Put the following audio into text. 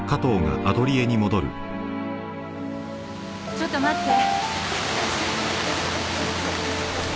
ちょっと待って。